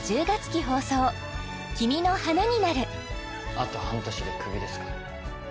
あと半年でクビですか？